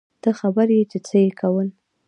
ته خبر يې چې څه يې کول.